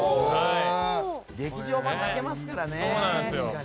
劇場版、泣けますからね。